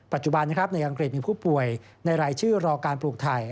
ปัจจุบันในอังกฤษมีผู้ป่วยในรายชื่อรอการปลูกไทย